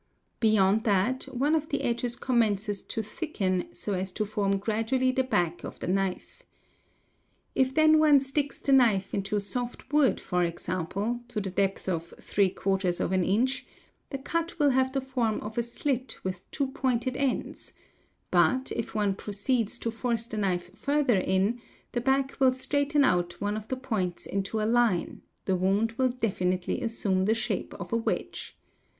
Beyond that, one of the _ edges commencés to thicken so as to form gradually the back of the knife. If then one sticks the knife into soft wood, for example, to the depth of 3 inch, the cut will have the form of a slit with two pointed ends, but, if one proceeds to force the knife further in, the back will straighten out one of the points into a line, the wound will definitely _ assume the shape of a wedge.